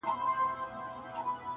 د وړې اوسپني زور نه لري لوېږي!!